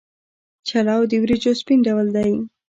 چلو د وریجو سپین ډول دی.